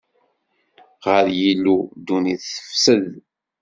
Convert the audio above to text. Ɣer Yillu, ddunit tefsed;